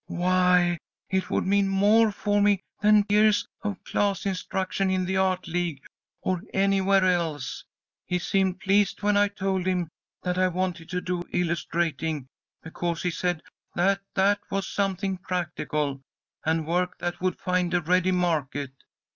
Why, it would mean more for me than years of class instruction in the Art League, or anywhere else. He seemed pleased when I told him that I wanted to do illustrating, because he said that that was something practical, and work that would find a ready market.